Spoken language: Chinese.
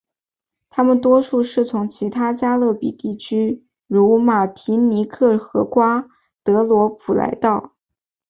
他们多数是从其他加勒比地区如马提尼克和瓜德罗普来到。